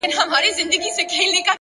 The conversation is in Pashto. هره هڅه د راتلونکي لپاره پانګونه ده!